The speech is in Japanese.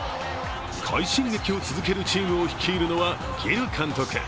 快進撃を続けるチームを率いるのはギル監督。